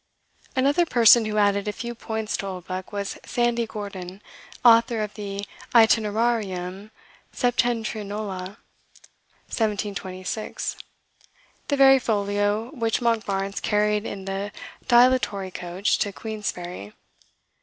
Another person who added a few points to Oldbuck was "Sandy Gordon," author of the "Itinerarium Septentrionale" (1726), the very folio which Monkbarns carried in the dilatory coach to Queensferry.